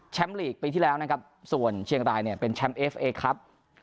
หลีกปีที่แล้วนะครับส่วนเชียงรายเนี่ยเป็นแชมป์เอฟเอครับ